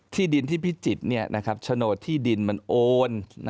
ที่ดินที่พิจิตรโฉนดที่ดินมันโอน